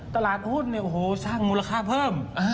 ตลาดหุ้นดีอ๋อโฮสร้างมูลค่าเพิ่ม